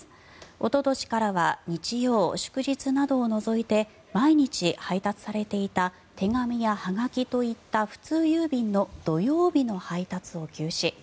おととしからは日曜、祝日などを除いて毎日配達されていた手紙やはがきといった普通郵便の土曜日の配達を休止。